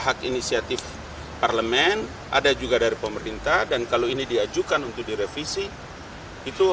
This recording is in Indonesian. hak inisiatif parlemen ada juga dari pemerintah dan kalau ini diajukan untuk direvisi dan kalau ini diajukan untuk direvisi dan kalau ini diajukan untuk direvisi